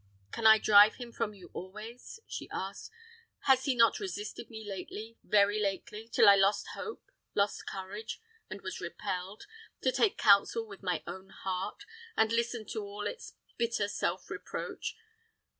"Can I drive him from you always?" she asked. "Has he not resisted me lately, very lately, till I lost hope, lost courage, and was repelled, to take counsel with my own heart, and listen to all its bitter self reproach.